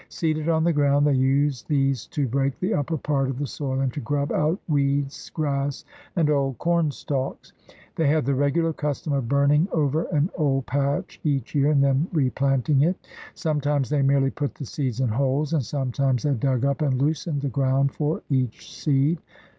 Seated on the ground they used these to break the upper part of the soil and to grub out weeds, grass, and old corn stalks. They had the regular custom of burning over an old patch each year and then replanting it. Sometimes they merely put the seeds in holes and sometimes they dug up and loosened the ground for each seed.